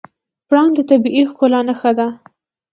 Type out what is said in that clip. پړانګ د طبیعي ښکلا نښه ده.